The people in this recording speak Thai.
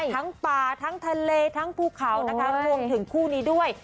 ทั้งป่าทั้งทะเลทั้งภูเขานะคะรวมถึงคู่นี้ด้วย